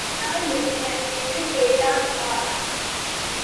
அதனாலென்ன? என்று கேட்டான் உமார்.